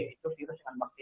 itu virus dengan bakteri